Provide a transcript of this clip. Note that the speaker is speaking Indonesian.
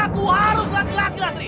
anak aku harus laki laki lasri